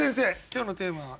今日のテーマは？